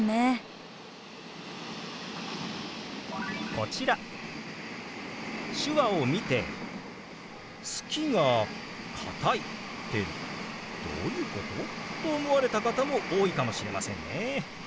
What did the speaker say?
こちら手話を見て「『好きがかたい』ってどういうこと？」と思われた方も多いかもしれませんね。